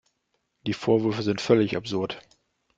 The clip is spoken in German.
Die Vorwürfe sind völlig absurd.